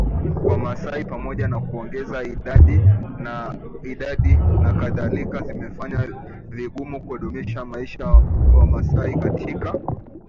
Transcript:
kwa Wamasai pamoja na kuongeza idadi nakadhalika zimefanya vigumu kudumisha maisha ya WamasaiKatika